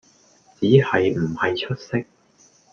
只係唔係出色